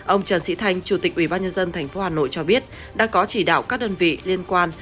ông trần sĩ thanh chủ tịch ubnd tp hà nội cho biết đã có chỉ đạo các đơn vị liên quan